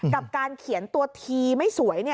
กับการเขียนตัวทีไม่สวย